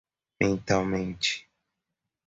mentalmente